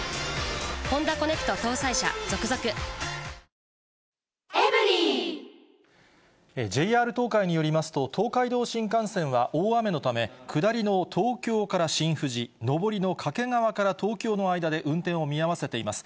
めまいにはオレンジの漢方セラピーＪＲ東海によりますと、東海道新幹線は大雨のため、下りの東京から新富士、上りの掛川から東京の間で運転を見合わせています。